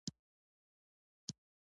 د ماشوم د خبرو لپاره باید څه وکړم؟